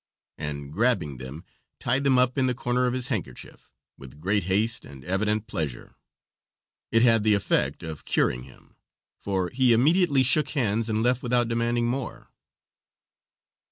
and grabbing them, tied them up in the corner of his handkerchief, with great haste and evident pleasure. It had the effect of curing him, for he immediately shook hands and left without demanding more.